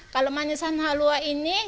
kalau manisan halua ini